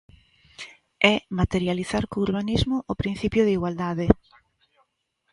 É materializar co urbanismo o principio de igualdade.